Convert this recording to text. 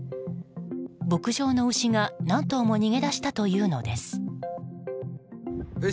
牧場の牛が何頭も逃げ出したというのです。